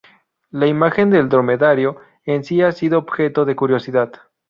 La imagen del dromedario en sí ha sido objeto de curiosidad.